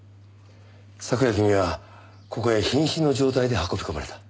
昨夜君はここへ瀕死の状態で運び込まれた。